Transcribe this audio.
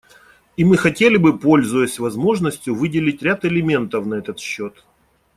И мы хотели бы, пользуясь возможностью, выделить ряд элементов на этот счет.